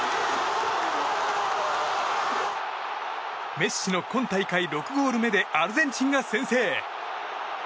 メッシの今大会６ゴール目でアルゼンチンが先制。